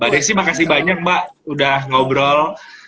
mbak desi makasih banyak mbak udah ngobrol